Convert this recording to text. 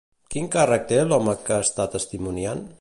Quin càrrec té l'home que està testimoniant?